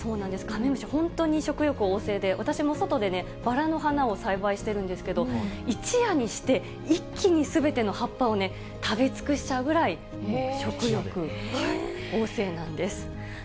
カメムシ、本当に食欲旺盛で、私も外でバラの花を栽培してるんですけど、一夜にして、一気にすべての葉っぱを食べ尽くしちゃうぐらい、食欲旺盛なんです。